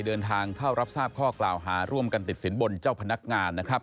เดินทางเข้ารับทราบข้อกล่าวหาร่วมกันติดสินบนเจ้าพนักงานนะครับ